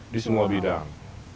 di semua bidang